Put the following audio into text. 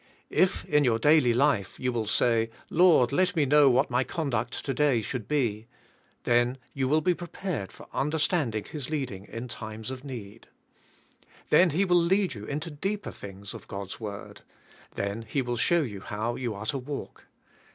If, in your daily life, you will say, "Lord, let me know what my con duct today should be," then you will be prepared for understanding" His leading* in times of need. Then He will lead you into deeper things of God's word. Then He will show you how you are to walk.